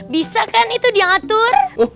bisa kan itu diatur